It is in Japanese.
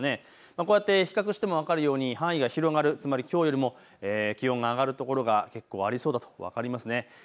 こうやって比較しても分かるように範囲が広がる、つまりきょうよりも、気温が上がるところが結構ありそうだと分かりますね。